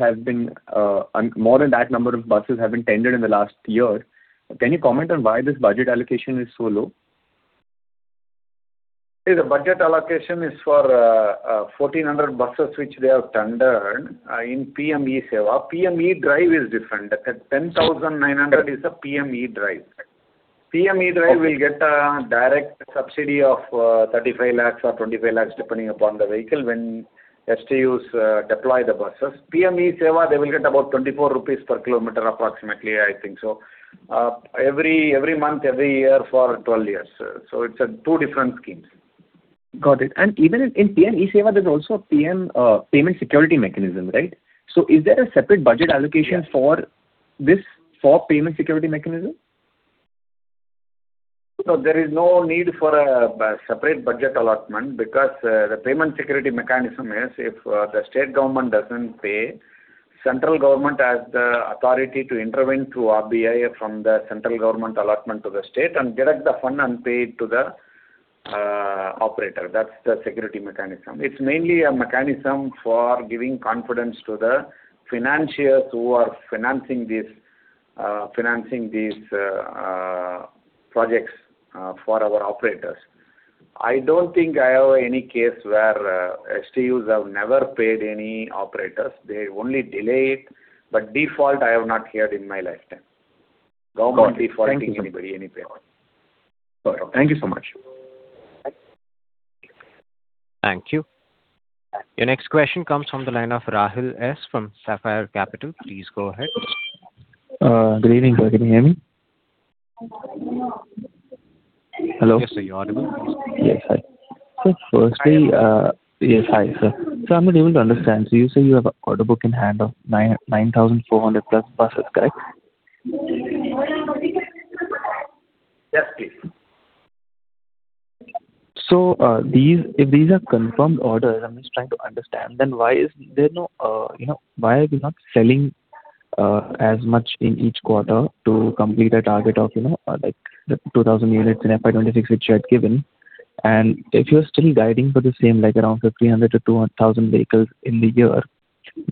number of buses have been tendered in the last year, can you comment on why this budget allocation is so low? See, the budget allocation is for 1,400 buses, which they have tendered in PM-eBus Sewa. PM E-DRIVE is different. That 10,900 is the PM E-DRIVE. PM E-DRIVE will get a direct subsidy of 35 lakh or 25 lakh, depending upon the vehicle, when STUs deploy the buses. PM-eBus Sewa, they will get about 24 rupees per kilometer, approximately, I think so. Every month, every year for 12 years. So it's two different schemes. Got it. Even in PM-eBus Sewa, there's also a PM payment security mechanism, right? So is there a separate budget allocation for this, for payment security mechanism? No, there is no need for a separate budget allotment, because the payment security mechanism is, if the state government doesn't pay, central government has the authority to intervene through RBI from the central government allotment to the state and deduct the fund and pay it to the operator. That's the security mechanism. It's mainly a mechanism for giving confidence to the financiers who are financing these projects for our operators. I don't think I have any case where STUs have never paid any operators. They only delay it, but default I have not heard in my lifetime. Got it. Government defaulting anybody, anywhere. Thank you so much. Thank you. Your next question comes from the line of Rahil S from Sapphire Capital. Please go ahead. Good evening. Can you hear me? Hello? Yes, sir, you're audible. Yes, hi. So firstly, Yes, hi, sir. So I'm not able to understand. So you say you have an order book in hand of 9,400+ buses, correct? Yes, please. So, if these are confirmed orders, I'm just trying to understand, then why is there no, you know, why are we not selling as much in each quarter to complete a target of, you know, like the 2,000 units in FY 2026, which you had given? And if you're still guiding for the same, like around 1,500 to 200,000 vehicles in the year,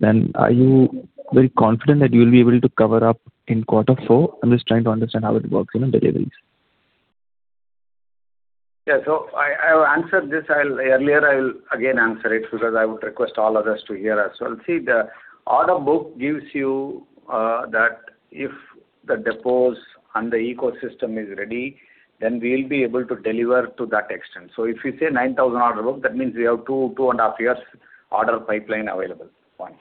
then are you very confident that you will be able to cover up in quarter four? I'm just trying to understand how it works, you know, in the deliveries. Yeah. So I have answered this earlier. I will again answer it because I would request all others to hear as well. See, the order book gives you that if the depots and the ecosystem is ready, then we'll be able to deliver to that extent. So if you say 9,000 order book, that means we have 2-2.5 years order pipeline available, one.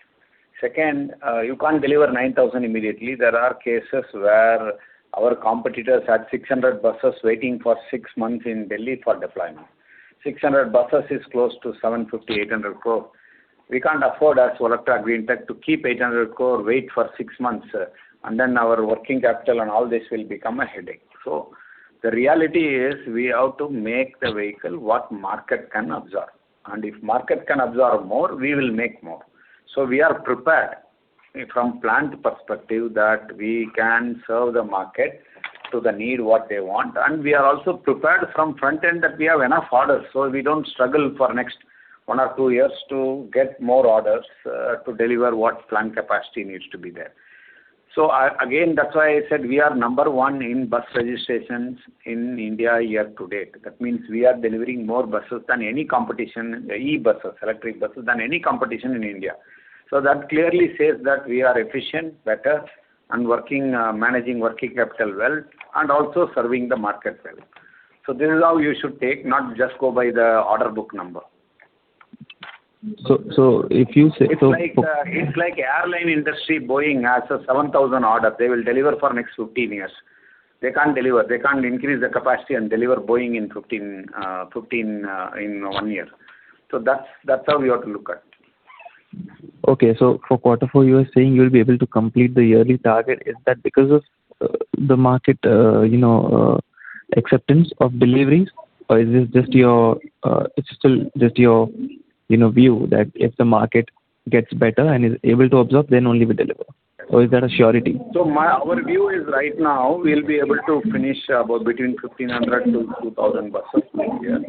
Second, you can't deliver 9,000 immediately. There are cases where our competitors had 600 buses waiting for six months in Delhi for deployment. 600 buses is close to 750 crore-800 crore. We can't afford, as Olectra Greentech, to keep 800 crore wait for six months, and then our working capital and all this will become a headache. So the reality is, we have to make the vehicle what market can absorb, and if market can absorb more, we will make more. So we are prepared from plant perspective that we can serve the market to the need, what they want. And we are also prepared from front end that we have enough orders, so we don't struggle for next one or two years to get more orders, to deliver what plant capacity needs to be there. So again, that's why I said we are number one in bus registrations in India, year to date. That means we are delivering more buses than any competition, e-buses, electric buses, than any competition in India. So that clearly says that we are efficient, better, and working, managing working capital well, and also serving the market well. This is how you should take, not just go by the order book number. So if you say, so- It's like, it's like airline industry. Boeing has a 7,000 order. They will deliver for next 15 years. They can't deliver, they can't increase the capacity and deliver Boeing in 15, in 1 year. So that's, that's how we have to look at. Okay. So for quarter four, you are saying you'll be able to complete the yearly target. Is that because of the market, you know, acceptance of deliveries? Or is this just your, it's still just your, you know, view that if the market gets better and is able to absorb, then only we deliver, or is that a surety? So, our view is right now, we'll be able to finish about between 1,500-2,000 buses this year.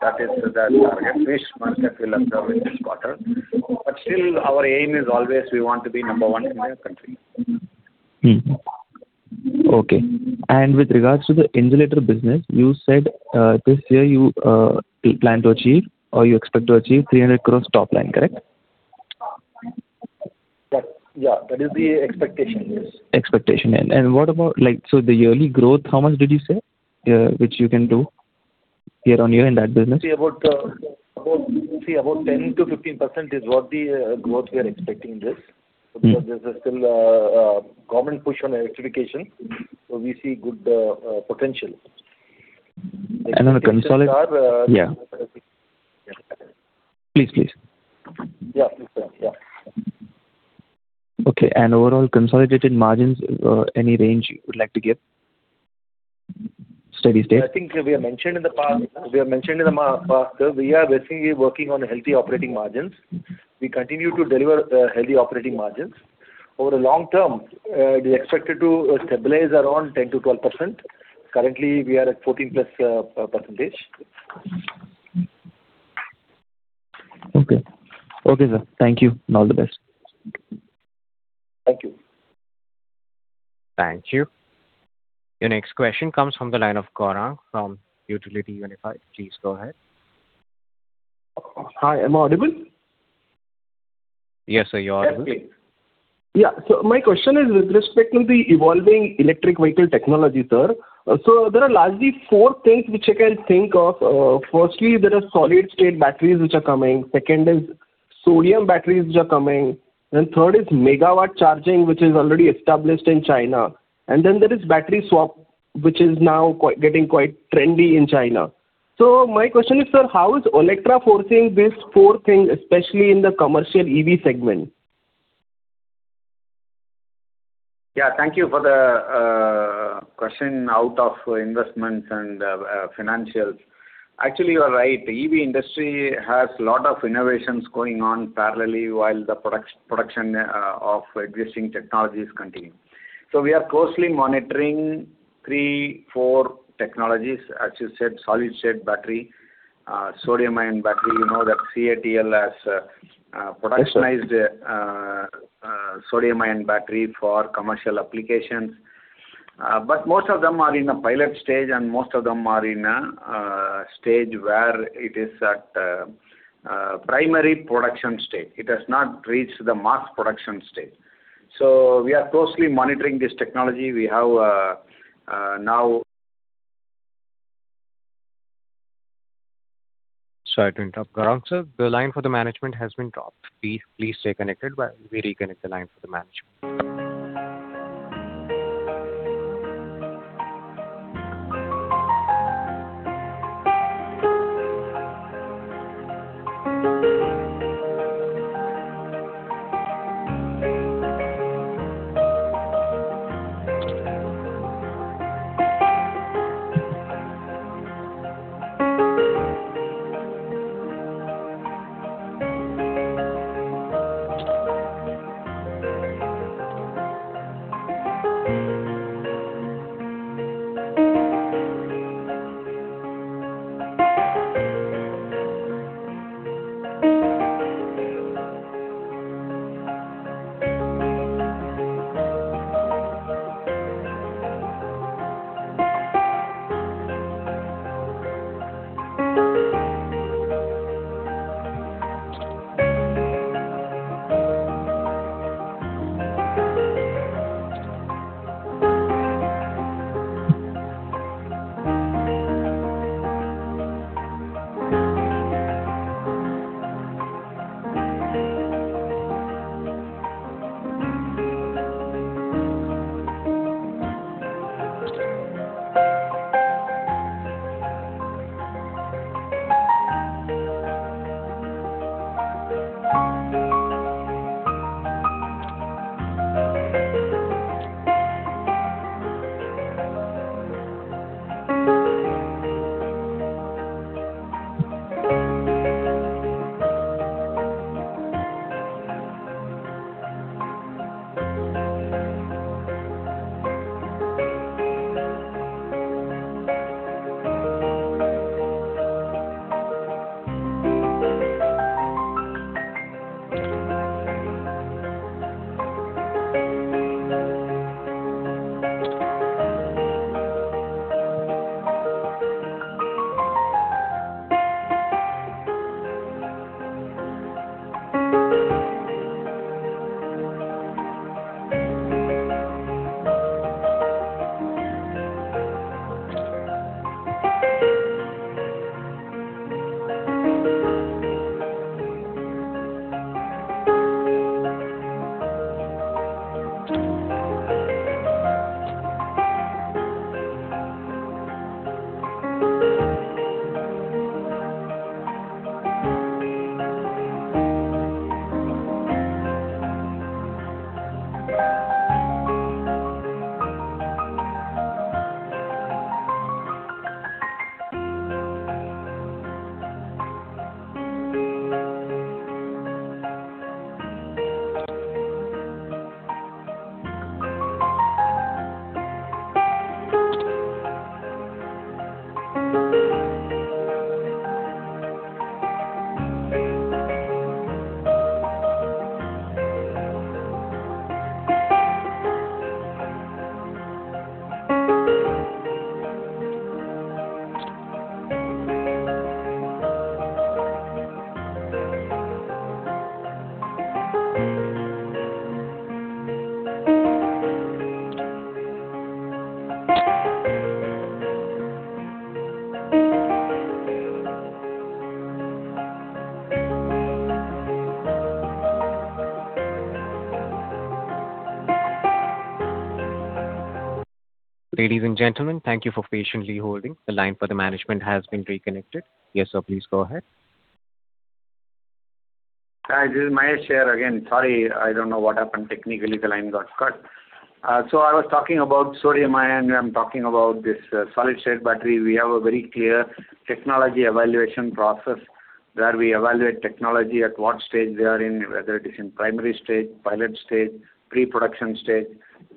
That is the target, which market will observe in this quarter. But still, our aim is always we want to be number one in the country. Okay. With regards to the insulator business, you said, this year you plan to achieve or you expect to achieve 300 crore top line, correct? That. Yeah, that is the expectation, yes. Expectation. And what about, like--So the yearly growth, how much did you say, which you can do year on year in that business? See, about 10%-15% is what the growth we are expecting this. Because there's still a government push on electrification, so we see good potential. And on a consolid--Yeah. Please, please. Yeah. Please, yeah. Okay, and overall consolidated margins, any range you would like to give? Steady state. I think we have mentioned in the past, we have mentioned in the past, we are basically working on healthy operating margins. We continue to deliver, healthy operating margins. Over the long term, we expected to, stabilize around 10%-12%. Currently, we are at +14%. Okay, sir. Thank you, and all the best. Thank you. Thank you. Your next question comes from the line of Gaurang from Utility Unified. Please go ahead. Hi, am I audible? Yes, sir, you are audible. Okay. Yeah, so my question is with respect to the evolving electric vehicle technology, sir. So there are largely four things which I can think of. Firstly, there are solid state batteries which are coming, second is sodium batteries which are coming, then third is megawatt charging, which is already established in China, and then there is battery swap, which is now quite, getting quite trendy in China. So my question is, sir, how is Olectra foreseeing these four things, especially in the commercial EV segment? Yeah, thank you for the question out of investments and financials. Actually, you are right. The EV industry has a lot of innovations going on parallelly while the product production of existing technologies continue. So we are closely monitoring three, four technologies. As you said, solid state battery, sodium ion battery. We know that CATL has productionized sodium ion battery for commercial applications, but most of them are in a pilot stage, and most of them are in a stage where it is at primary production stage. It has not reached the mass production stage. So we are closely monitoring this technology. We have now-- Sorry to interrupt, Gaurang sir. The line for the management has been dropped. Please, please stay connected while we reconnect the line for the management. Ladies and gentlemen, thank you for patiently holding. The line for the management has been reconnected. Yes, sir, please go ahead. Hi, this is Mahesh here again. Sorry, I don't know what happened technically, the line got cut. So I was talking about sodium ion, I'm talking about this solid state battery. We have a very clear technology evaluation process, where we evaluate technology, at what stage they are in, whether it is in primary stage, pilot stage, pre-production stage,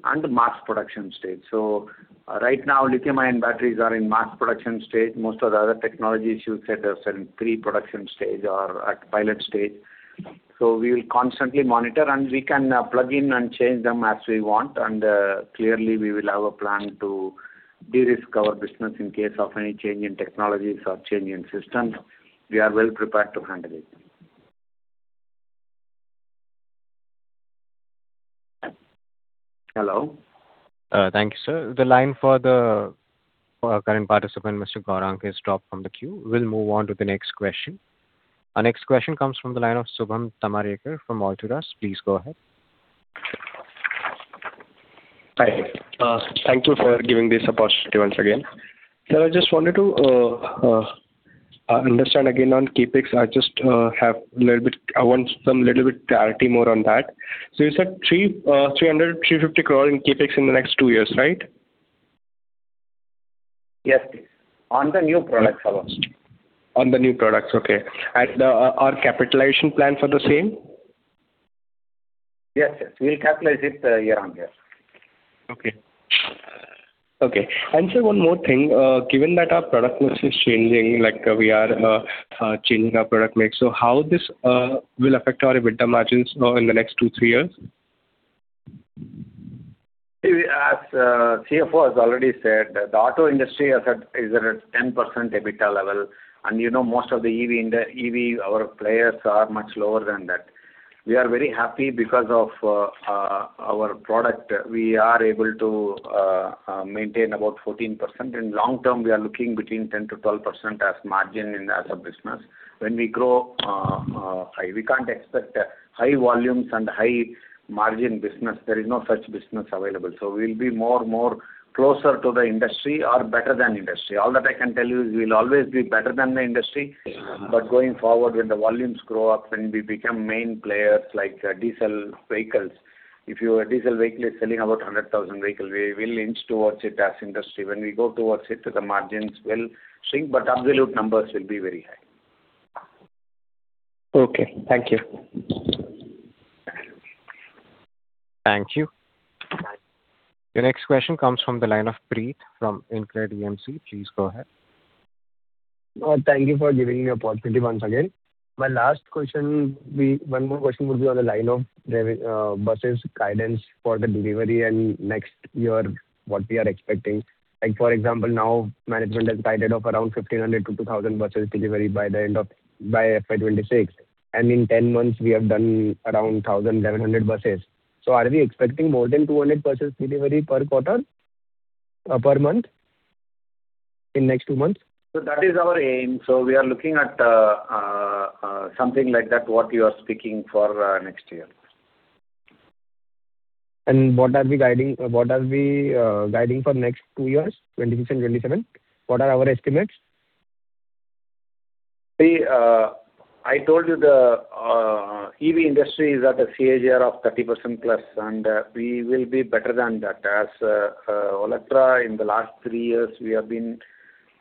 and mass production stage. So right now, lithium-ion batteries are in mass production stage. Most of the other technologies you said are in pre-production stage or at pilot stage. So we will constantly monitor, and we can plug in and change them as we want, and clearly, we will have a plan to de-risk our business in case of any change in technologies or change in systems. We are well prepared to handle it. Hello? Thank you, sir. The line for the current participant, Mr. Gaurang, has dropped from the queue. We'll move on to the next question. Our next question comes from the line of Shubham Tamrakar from Alturas. Please go ahead. Hi. Thank you for giving this opportunity once again. Sir, I just wanted to understand again on CapEx. I just have a little bit—I want some little bit clarity more on that. So you said 300 crore-350 crore in CapEx in the next two years, right? Yes. On the new products, almost. On the new products, okay. Our capitalization plan for the same? Yes, yes. We'll capitalize it year on year. Okay, and sir, one more thing. Given that our product mix is changing, like we are changing our product mix, so how this will affect our EBITDA margins in the next two, three years? As CFO has already said, the auto industry has had, is at a 10% EBITDA level, and you know, most of the EV in the EV, our players are much lower than that. We are very happy because of our product. We are able to maintain about 14%. In long term, we are looking between 10%-12% as margin and as a business. When we grow high, we can't expect high volumes and high margin business. There is no such business available. So we'll be more and more closer to the industry or better than industry. All that I can tell you is we'll always be better than the industry. But going forward, when the volumes grow up, when we become main players, like diesel vehicles, if your diesel vehicle is selling about 100,000 vehicles, we will inch towards it as industry. When we go towards it, the margins will shrink, but absolute numbers will be very high. Okay, thank you. Thank you. The next question comes from the line of Preet from InCred AMC. Please go ahead. Thank you for giving me opportunity once again. My last question will be, one more question would be on the line of the, buses guidance for the delivery and next year, what we are expecting. Like, for example, now management has guided of around 1,500 to 2,000 buses delivery by the end of--by FY 2026, and in 10 months, we have done around 1,700 buses. So are we expecting more than 200 buses delivery per quarter, per month, in next two months? That is our aim. We are looking at something like that, what you are speaking for, next year. What are we guiding for next two years, 2026 and 2027? What are our estimates? See, I told you the EV industry is at a CAGR of +30%, and we will be better than that. As Olectra, in the last three years, we have been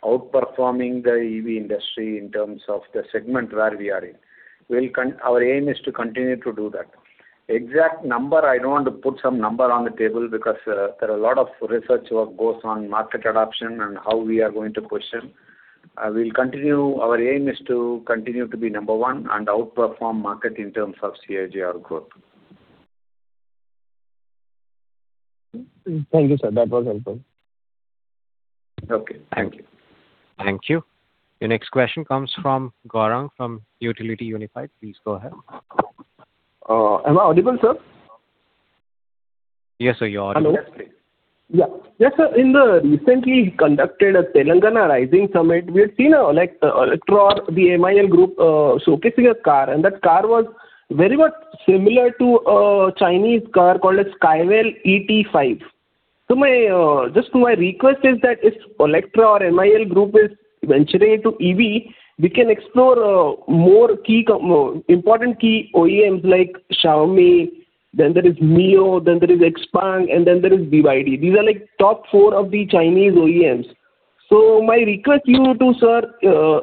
outperforming the EV industry in terms of the segment where we are in. Our aim is to continue to do that. Exact number, I don't want to put some number on the table, because there are a lot of research work goes on market adoption and how we are going to position. We'll continue. Our aim is to continue to be number one and outperform market in terms of CAGR growth. Thank you, sir. That was helpful. Okay, thank you. Thank you. Your next question comes from Gaurang, from Utility Unified. Please go ahead. Am I audible, sir? Yes, sir, you're audible. Hello? Yeah. Yes, sir. In the recently conducted a Telangana Rising Summit, we have seen, like, Olectra or the MEIL Group showcasing a car, and that car was very much similar to a Chinese car called a Skywell ET5. So my just my request is that if Olectra or MEIL Group is venturing into EV, we can explore more key important key OEMs like Xiaomi, then there is NIO, then there is Xpeng, and then there is BYD. These are, like, top four of the Chinese OEMs. So my request to you to, sir,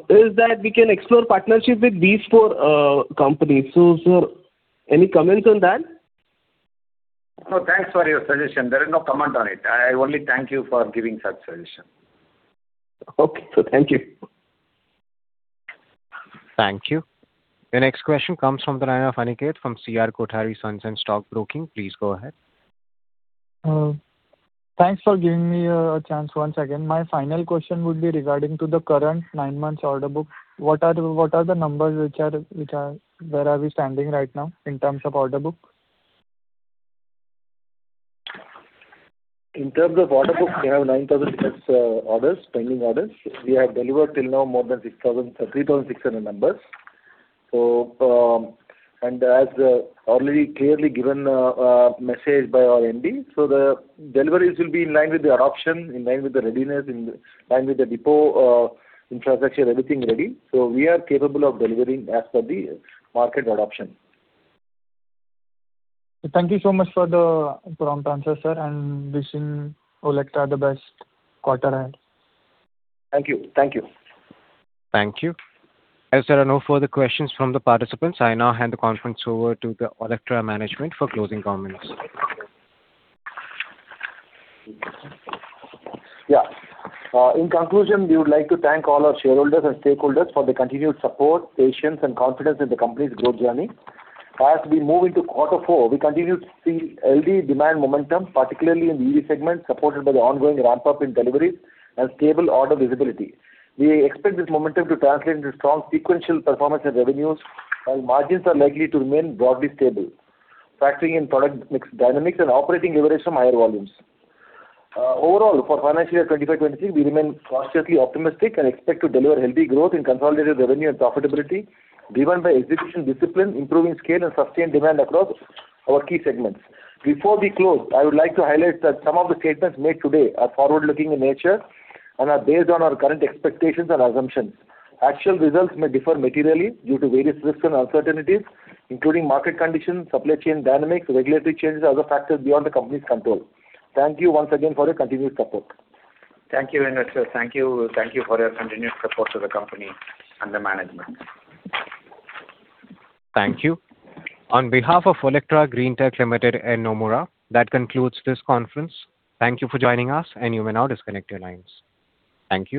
is that we can explore partnership with these four companies. So, sir, any comments on that? No, thanks for your suggestion. There is no comment on it. I only thank you for giving such suggestion. Okay, sir, thank you. Thank you. The next question comes from the line of Aniket from C.R.Kothari & Sons and Stock Broking. Please go ahead. Thanks for giving me a chance once again. My final question would be regarding to the current nine months order book. What are the numbers which are--where are we standing right now in terms of order book? In terms of order book, we have 9,000+ orders, pending orders. We have delivered till now more than 6,000, 3,600 numbers. So, and as already clearly given, message by our MD, so the deliveries will be in line with the adoption, in line with the readiness, in line with the depot infrastructure, everything ready. So we are capable of delivering as per the market adoption. Thank you so much for the prompt answer, sir, and wishing Olectra the best quarter ahead. Thank you. Thank you. Thank you. As there are no further questions from the participants, I now hand the conference over to the Olectra management for closing comments. Yeah. In conclusion, we would like to thank all our shareholders and stakeholders for their continued support, patience, and confidence in the company's growth journey. As we move into quarter four, we continue to see healthy demand momentum, particularly in the EV segment, supported by the ongoing ramp-up in deliveries and stable order visibility. We expect this momentum to translate into strong sequential performance and revenues, while margins are likely to remain broadly stable, factoring in product mix dynamics and operating leverage from higher volumes. Overall, for financial year 2025, 2026, we remain cautiously optimistic and expect to deliver healthy growth in consolidated revenue and profitability, driven by execution discipline, improving scale, and sustained demand across our key segments. Before we close, I would like to highlight that some of the statements made today are forward-looking in nature and are based on our current expectations and assumptions. Actual results may differ materially due to various risks and uncertainties, including market conditions, supply chain dynamics, regulatory changes, and other factors beyond the company's control. Thank you once again for your continued support. Thank you, investors. Thank you, thank you for your continued support to the company and the management. Thank you. On behalf of Olectra Greentech Limited and Nomura, that concludes this conference. Thank you for joining us, and you may now disconnect your lines. Thank you.